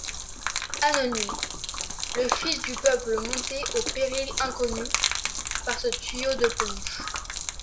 Anonyme, le fils du peuple montait au péril inconnu, par ce tuyau de planches.